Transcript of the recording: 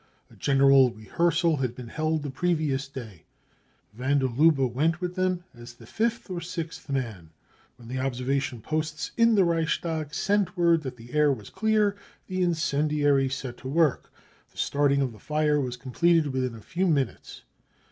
A general rehearsal had been held the previous day. Van der Lubbe went with them as the fifth or sixth man. When the observation posts in the Reichstag sent word that the air was clear, the incendiaries set to work. The starting of the fire was completed within a few minutes.